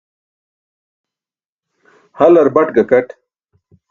Halar baṭ gakat.